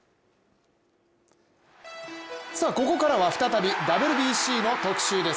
ここからは再びＷＢＣの特集です。